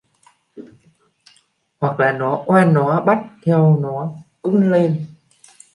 hoặc là nó oán nó bắt theo nó cũng lên